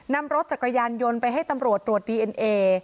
นำรถจักรยานยนต์ไปให้ตำรวจตรวจดีเอ็นเอ